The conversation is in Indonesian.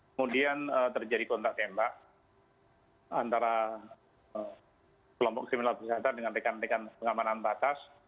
kemudian terjadi kontak tembak antara kelompok kriminal bersenjata dengan rekan rekan pengamanan batas